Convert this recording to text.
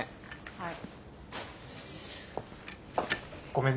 はい。